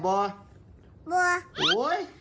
บัว